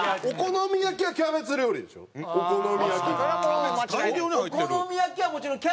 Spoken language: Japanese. お好み焼きはキャベツ料理でしょ。